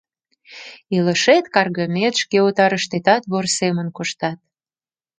Илышет-каргымет, шке отарыштетат вор семын коштат.